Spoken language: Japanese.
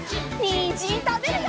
にんじんたべるよ！